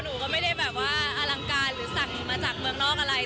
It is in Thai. หนูก็ไม่ได้แบบว่าอลังการหรือสั่งมาจากเมืองนอกอะไร